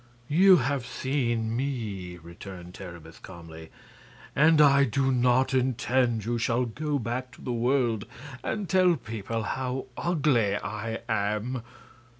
"You have seen ME," returned Terribus, calmly, "and I do not intend you shall go back to the world and tell people how ugly I am."